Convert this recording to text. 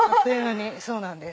そうなんです。